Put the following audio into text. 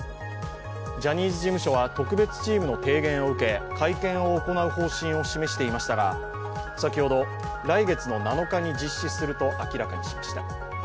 ジャニーズ事務所は特別チームの提言を受け、会見を行う方針を示していましたが先ほど、来月の７日に実施すると明らかにしました。